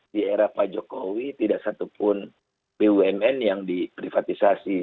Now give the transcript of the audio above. di era pak jokowi tidak satupun bumn yang diprivatisasi